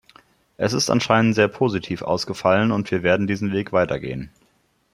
Er ist anscheinend sehr positiv ausgefallen, und wir werden diesen Weg weitergehen.